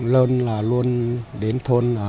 luôn là luôn đến thôn